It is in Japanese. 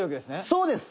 「そうです」